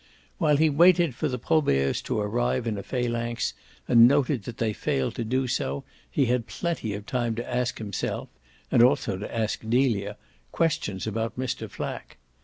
While he waited for the Proberts to arrive in a phalanx and noted that they failed to do so he had plenty of time to ask himself and also to ask Delia questions about Mr. Flack.